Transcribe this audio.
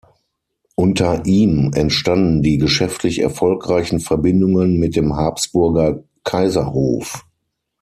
Unter ihm entstanden die geschäftlich erfolgreichen Verbindungen mit dem Habsburger Kaiserhof.